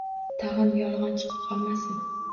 Тag‘in yolg‘on chiqib qolmasin